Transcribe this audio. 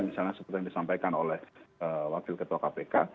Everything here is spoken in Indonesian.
misalnya seperti yang disampaikan oleh wakil ketua kpk